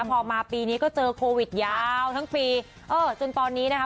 พอมาปีนี้ก็เจอโควิดยาวทั้งปีเออจนตอนนี้นะคะ